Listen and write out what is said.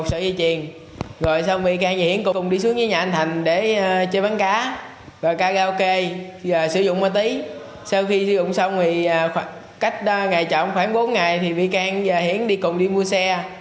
xong thì cách ngày trộm khoảng bốn ngày thì vy cang và hiển đi cùng đi mua xe